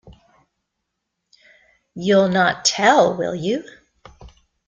You’ll not tell, will you?